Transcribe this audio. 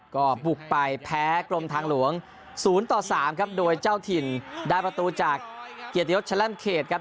ก็ปลุกไปแพ้กรมทางหลวง๐๓ครับโดยเจ้าถิ่นได้ประตูจากเกียรติฤทธิ์ชะแร่มเขตครับ